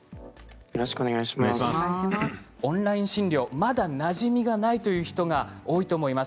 オンライン診療、まだなじみがないという人が多いと思います。